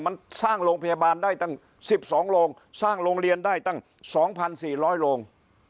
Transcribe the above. มันสร้างโรงพยาบาลได้ตั้งสิบสองโรงสร้างโรงเรียนได้ตั้งสองพันสี่ร้อยโรง